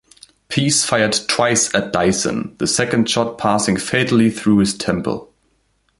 Peace fired twice at Dyson, the second shot passing fatally through his temple.